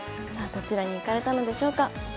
さあどちらに行かれたのでしょうか。